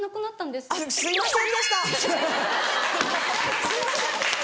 すいません。